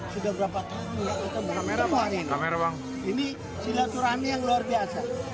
sudah berapa tahun ini silaturahmi yang luar biasa